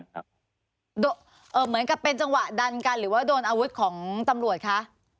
เหมือนกับเป็นจังหวะดันกันหรือว่าโดนอาวุธของตำรวจคะ